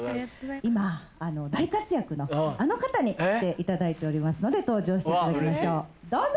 今大活躍のあの方に来ていただいておりますので登場していただきましょうどうぞ！